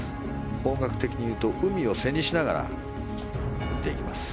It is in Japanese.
方角的にいうと海を背にしながら打っていきます。